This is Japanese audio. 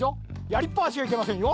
やりっぱなしはいけませんよ。